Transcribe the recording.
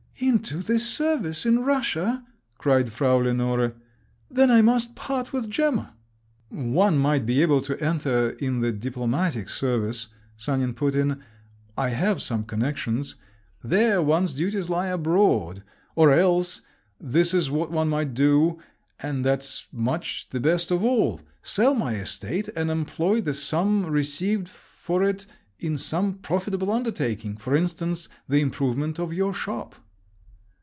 "Into the service in Russia?" cried Frau Lenore, "Then I must part with Gemma!" "One might be able to enter in the diplomatic service," Sanin put in; "I have some connections…. There one's duties lie abroad. Or else, this is what one might do, and that's much the best of all: sell my estate and employ the sum received for it in some profitable undertaking; for instance, the improvement of your shop."